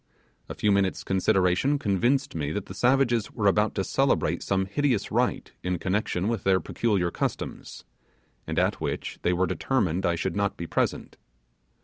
A few minutes' consideration convinced me that the savages were about to celebrate some hideous rite in connection with their peculiar customs, and at which they were determined I should not be present.